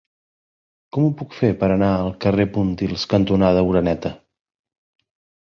Com ho puc fer per anar al carrer Pontils cantonada Oreneta?